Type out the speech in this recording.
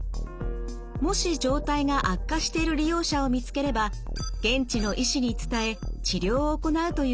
もし状態が悪化している利用者を見つければ現地の医師に伝え治療を行うというシステムです。